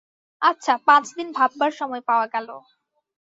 আচ্ছা, পাঁচ দিন ভাববার সময় পাওয়া গেল।